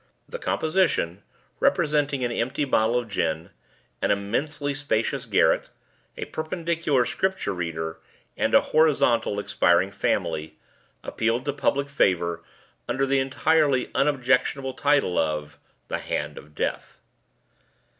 The composition representing an empty bottle of gin, an immensely spacious garret, a perpendicular Scripture reader, and a horizontal expiring family appealed to public favor, under the entirely unobjectionable title of "The Hand of Death."